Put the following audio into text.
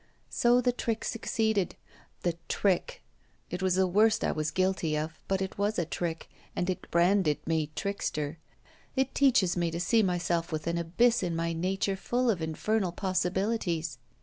So the trick succeeded the trick! It was the worst I was guilty of, but it was a trick, and it branded me trickster. It teaches me to see myself with an abyss in my nature full of infernal possibilities.